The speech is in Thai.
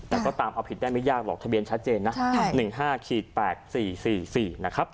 แต่ก็ตามเอาผิดได้ไม่ยากหรอกทะเบียนชัดเจนนะ๑๕๘๔๔๔นะครับ